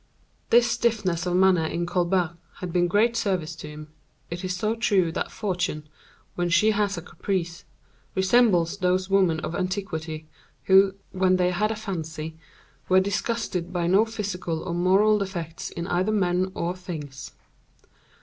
This stiffness of manner in Colbert had been of great service to him; it is so true that Fortune, when she has a caprice, resembles those women of antiquity, who, when they had a fancy, were disgusted by no physical or moral defects in either men or things.